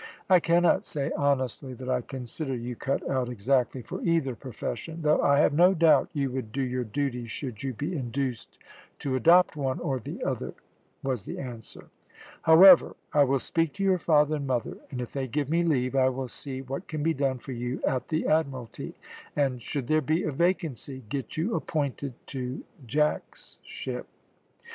"I cannot say honestly that I consider you cut out exactly for either profession, though I have no doubt you would do your duty should you be induced to adopt one or the other," was the answer. "However, I will speak to your father and mother, and if they give me leave I will see what can be done for you at the Admiralty, and should there be a vacancy get you appointed to Jack's ship."